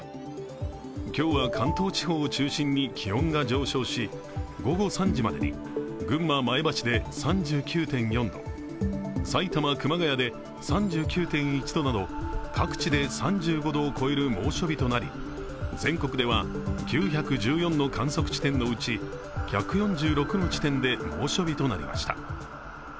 今日は関東地方を中心に気温が上昇し午後３時までに群馬・前橋で３９．４度、埼玉・熊谷で３９．１度など各地で３５度を超える猛暑日となり全国では、９１４の観測地点のうち１４６の地点で猛暑日となりました。